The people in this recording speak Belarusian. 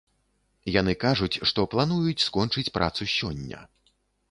Яны кажуць, што плануюць скончыць працу сёння.